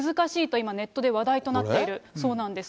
今、ネットで話題となっているそうなんです。